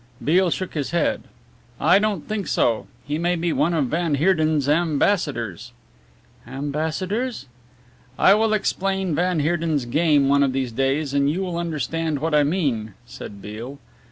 Beale shook his head. "I don't think so. He may be one of van Heerden's ambassadors." "Ambassadors?" "I will explain van Heerden's game one of these days and you will understand what I mean," said Beale.